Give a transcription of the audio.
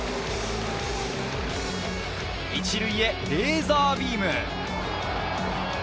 １塁へ、レーザービーム。